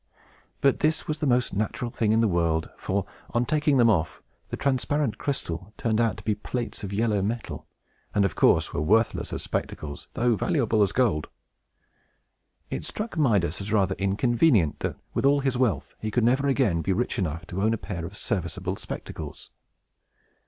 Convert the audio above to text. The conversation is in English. But this was the most natural thing in the world; for, on taking them off, the transparent crystal turned out to be plates of yellow metal, and, of course, were worthless as spectacles, though valuable as gold. It struck Midas as rather inconvenient that, with all his wealth, he could never again be rich enough to own a pair of serviceable spectacles.